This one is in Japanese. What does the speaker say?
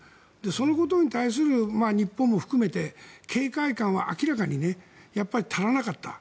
そのことに対する日本も含めて警戒感は明らかに足らなかった。